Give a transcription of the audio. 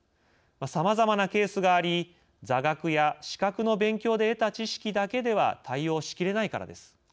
さまざまなケースがあり座学や資格の勉強で得た知識だけでは対応しきれないからです。